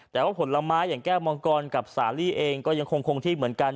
แต่ว่าผลไม้อย่างแก้วมังกรกับสาลีเองก็ยังคงที่เหมือนกัน